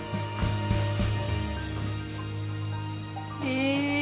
え。